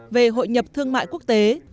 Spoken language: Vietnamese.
về hội nhập thương mại quốc tế